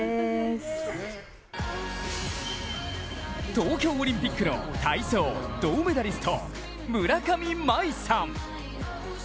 東京オリンピックの体操、銅メダリスト・村上茉愛さん。